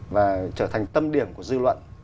sẽ trở thành tâm điểm của dư luận